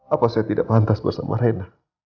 apa saya tidak pantas bersama rena